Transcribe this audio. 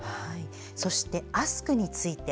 そして「Ａｓｋ」について。